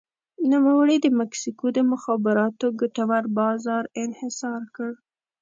نوموړي د مکسیکو د مخابراتو ګټور بازار انحصار کړ.